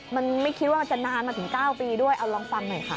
มันไม่คิดว่ามันจะนานมาถึง๙ปีด้วยเอาลองฟังหน่อยค่ะ